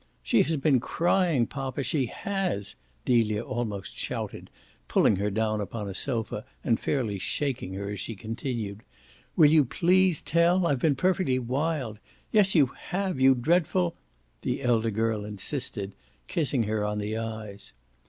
"She has been crying, poppa she HAS," Delia almost shouted, pulling her down upon a sofa and fairly shaking her as she continued. "Will you please tell? I've been perfectly wild! Yes you have, you dreadful !" the elder girl insisted, kissing her on the eyes.